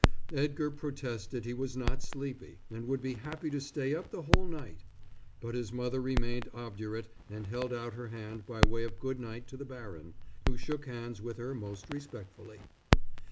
Edgar protested he was not sleepy and would be happy to stay up the whole night. But his mother remained obdurate and held out her hand by way of good night to the baron, who shook hands with her most respectfully.